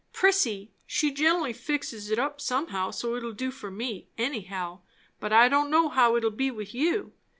Prissy, she gen'lly fixes it up somehow so's it'll do, for me, anyhow; but I don' know how it'll be with you.